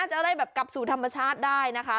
จะได้แบบกลับสู่ธรรมชาติได้นะคะ